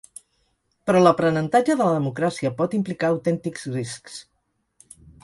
Però l'aprenentatge de la democràcia pot implicar autèntics riscs.